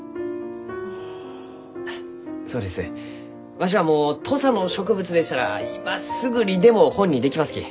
わしはもう土佐の植物でしたら今すぐにでも本にできますき。